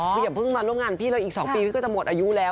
คืออย่าเพิ่งมาร่วมงานพี่เลยอีก๒ปีพี่ก็จะหมดอายุแล้ว